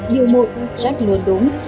điều một jack luôn đúng